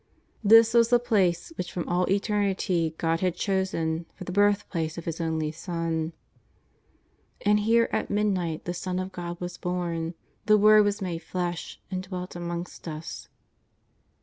This was the place which from all eternity God had chosen JESUS OF NAZARETH. 65 for the birthplace of His only Son. And here at mid night the Son of God was born; the Word was made Flesh and dwelt amongst us.